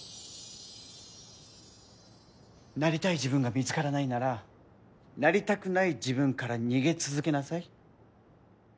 なりたい自分が見つからないならなりたくない自分から逃げ続けなさい。